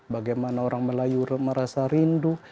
bagaimana orang melayu merasa rindu